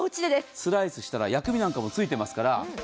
スライスしたら薬味なんかもついてますから。